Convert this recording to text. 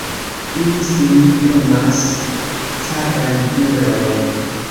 Ili sin nomas caraj viroj!